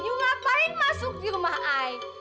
iu ngapain masuk di rumah ayah